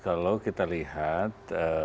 kalau kita lihat